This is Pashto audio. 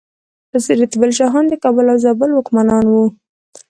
رتبیل شاهان د کابل او زابل واکمنان وو